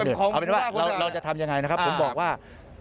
เอาเป็นว่าเราจะทำยังไงนะครับผมบอกว่า